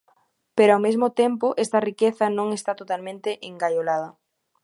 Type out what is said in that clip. Pero ao mesmo tempo esta riqueza non está totalmente engaiolada.